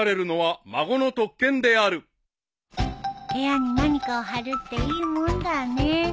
部屋に何かを貼るっていいもんだね。